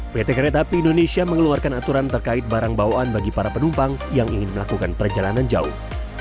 pt kereta api indonesia mengeluarkan aturan terkait barang bawaan bagi para penumpang yang ingin melakukan perjalanan jauh